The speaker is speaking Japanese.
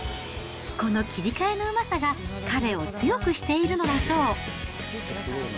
この切り替えのうまさが彼を強くしているのだそう。